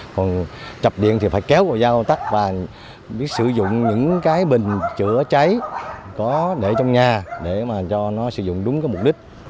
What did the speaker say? còn chập điện thì phải kéo vào giao tắt và biết sử dụng những cái bình chữa cháy có để trong nhà để mà cho nó sử dụng đúng cái mục đích